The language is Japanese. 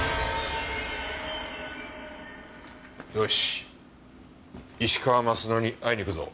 よし石川鱒乃に会いに行くぞ。